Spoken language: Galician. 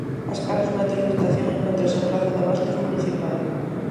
A escasos metros da estación encóntranse a praza de abastos municipal.